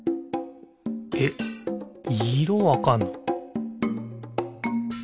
えっいろわかんの！？